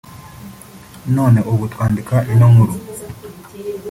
none ubu twandika ino nkuru